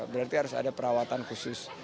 berarti harus ada perawatan khusus